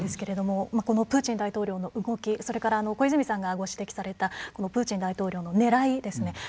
プーチン大統領の動きそれから小泉さんがご指摘されたプーチン大統領の狙いですね。